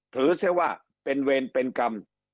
เสียว่าเป็นเวรเป็นกรรม